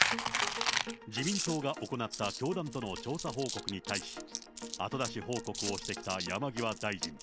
自民党が行った教団との調査報告に対し、後出し報告をしてきた山際大臣。